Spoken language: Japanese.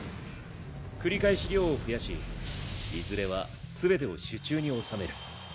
繰り返し量を増やしいずれは全てを手中に納める。